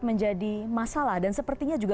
menjadi masalah dan sepertinya juga